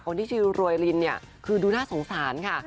ที่ชื่อรวยลินเนี่ยคือดูน่าสงสารค่ะ